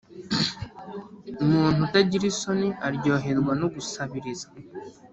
Umuntu utagira isoni aryoherwa no gusabiriza,